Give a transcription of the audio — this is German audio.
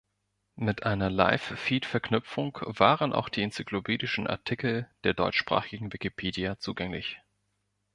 Mit einer Live-Feed-Verknüpfung waren auch die enzyklopädischen Artikel der deutschsprachigen Wikipedia zugänglich.